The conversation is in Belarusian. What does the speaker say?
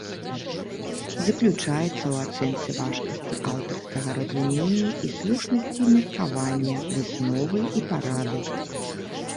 Заключаецца ў ацэнцы важкасці аўтарскага разумення і слушнасці меркавання, высновы і парады.